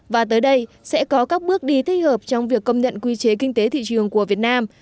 và tới đây sẽ có các bước đi thích hợp trong việc công nhận quy chế kinh tế thị trường của việt nam